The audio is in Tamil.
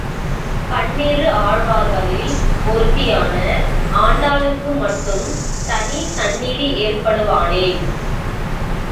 பன்னிரு ஆழ்வார்களில் ஒருத்தியான ஆண்டாளுக்கு மட்டும் தனிச் சந்நிதி ஏற்படுவானேன்?